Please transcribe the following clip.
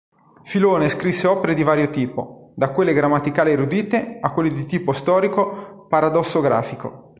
Filone scrisse opere di vario tipo, da quelle grammaticali-erudite a quelle di tipo storico-paradossografico.